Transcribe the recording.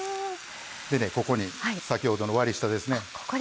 ここに先ほどの割り下ですね。